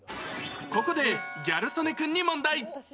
ここで、ギャル曽根君に問題。